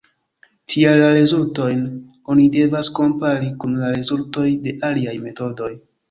Tial la rezultojn oni devas kompari kun la rezultoj de aliaj metodoj.